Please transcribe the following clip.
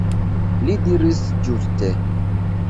Li diris ĝuste.